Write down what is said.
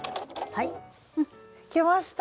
はいいけました。